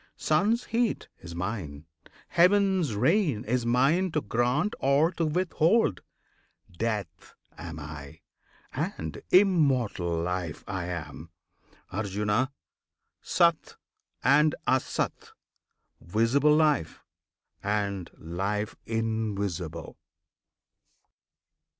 Sun's heat is mine; Heaven's rain is mine to grant or to withhold; Death am I, and Immortal Life I am, Arjuna! SAT and ASAT, Visible Life, And Life Invisible!